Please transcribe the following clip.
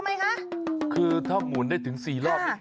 คือคือถ้าหมุนได้ถึง๔รอบ